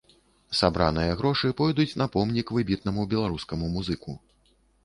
Сабраныя грошы пойдуць на помнік выбітнаму беларускаму музыку.